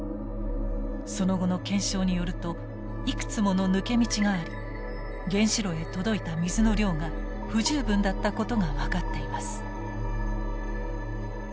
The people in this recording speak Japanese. その後の検証によるといくつもの抜け道があり原子炉へ届いた水の量が不十分だったことが分かっています。